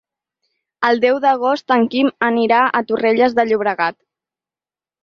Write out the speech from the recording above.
El deu d'agost en Quim anirà a Torrelles de Llobregat.